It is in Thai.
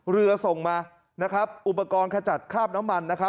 ส่งมาอุปกรณ์ขจัดคราบน้ำมัน